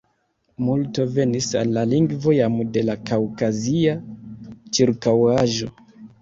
Multo venis al la lingvo jam de la kaŭkazia ĉirkaŭaĵo.